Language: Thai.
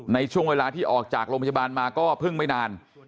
ในช่วงเวลาที่ออกจากโรงพยาบาลมาก็เพิ่งไม่นาน